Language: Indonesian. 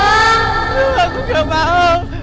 aku gak mau